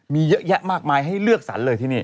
มีเยอะแยะมากมายให้เลือกสรรเลยที่นี่